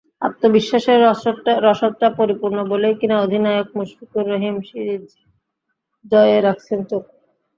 আত্মবিশ্বাসের রসদটা পরিপূর্ণ বলেই কিনা অধিনায়ক মুশফিকুর রহিম সিরিজ জয়েই রাখছেন চোখ।